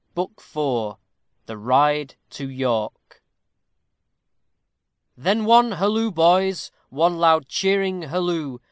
BOOK IV THE RIDE TO YORK Then one halloo, boys! one loud cheering halloo!